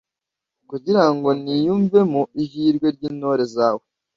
kugira ngo niyumvemo ihirwe ry’intore zawe